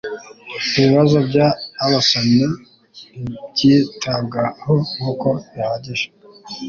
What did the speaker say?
ibibazo by abasomyi ntibyitabwaho nkuko bihagije